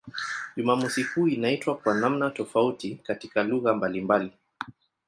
Jumamosi kuu inaitwa kwa namna tofauti katika lugha mbalimbali.